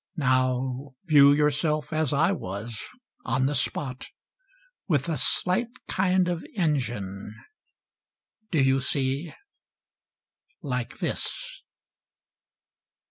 Now view yourself as I was, on the spot — With a slight kind of engine. Do you see? Like this